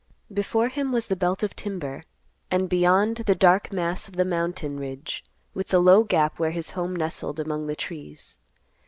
Before him was the belt of timber, and beyond, the dark mass of the mountain ridge with the low gap where his home nestled among the trees.